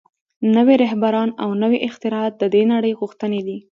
نوي رهبران او نوي اختراعات د دې نړۍ غوښتنې دي